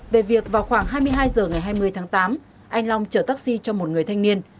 về việc vào khoảng hai mươi hai h ngày hai mươi tháng tám anh long chở taxi cho một người thanh niên